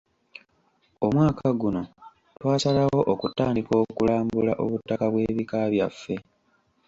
Omwaka guno twasalawo okutandika okulambula obutaka bw'ebika byaffe.